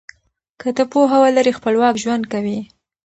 که ته پوهه ولرې خپلواک ژوند کوې.